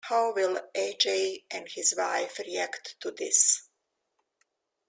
How will Ajay and his wife react to this?